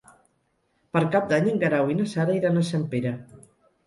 Per Cap d'Any en Guerau i na Sara iran a Sempere.